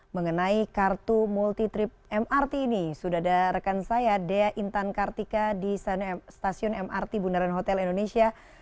mengenai kartu multi trip mrt ini sudah ada rekan saya dea intan kartika di stasiun mrt bundaran hotel indonesia